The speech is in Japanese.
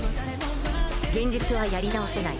現実は、やり直せない。